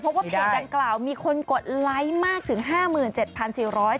เพราะว่าเพจดังกล่าวมีคนกดไลค์มากถึง๕๗๔๐๐บาท